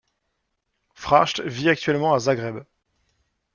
Frajt vit actuellement à Zagreb.